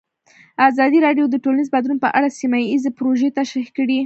ازادي راډیو د ټولنیز بدلون په اړه سیمه ییزې پروژې تشریح کړې.